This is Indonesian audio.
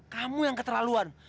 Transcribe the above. kamu yang keterlaluan